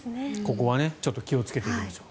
ここは気をつけていきましょう。